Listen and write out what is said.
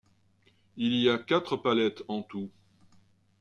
Il y a quatre palettes en tout.